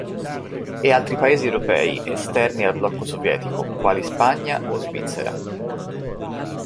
E altri paesi europei esterni al blocco sovietico, quali Spagna o Svizzera.